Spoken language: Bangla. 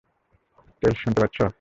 টেলস, শুনতে পাচ্ছ?